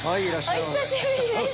お久しぶりです